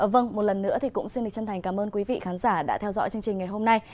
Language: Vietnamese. vâng một lần nữa thì cũng xin được chân thành cảm ơn quý vị khán giả đã theo dõi chương trình ngày hôm nay